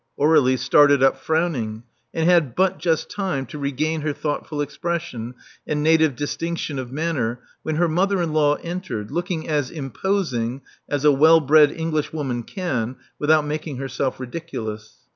Aur^lie started up frowning, and had but just time to regain her thoughtful expres sion and native distinction of manner when her mother in law entered, looking as imposing as a well bred Englishwoman can without making herself ridic ulous.